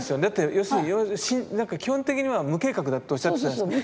要するに基本的には無計画だとおっしゃってたじゃないですか。